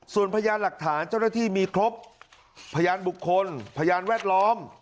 ส่วนพยานหลักฐานเจ้าหน้าที่มีครบพยานบุคคลพยานแวดล้อม